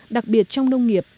đặc biệt trong nông nghiệp